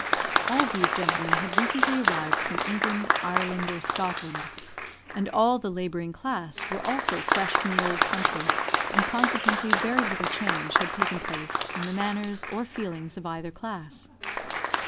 All these gentlemen had recently arrived from England, Ireland, or Scotland, and all the labouring class were also fresh from the old country and consequently very little change had taken place in the manners or feelings of either class.